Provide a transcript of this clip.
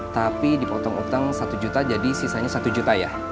tapi dipotong utang satu juta jadi sisanya satu juta ya